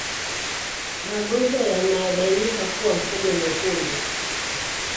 Magonjwa yanayobainika kwa mkojo mwekundu